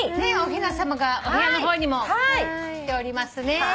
おひなさまがお部屋の方にも来ておりますね。